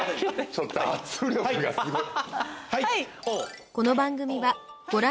ちょっと圧力がすごい。